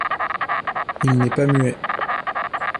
Il n’est pas muet.